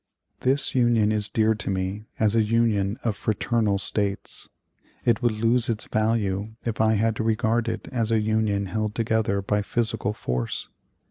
"This Union is dear to me as a Union of fraternal States. It would lose its value if I had to regard it as a Union held together by physical force.